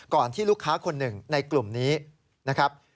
ที่ลูกค้าคนหนึ่งในกลุ่มนี้นะครับ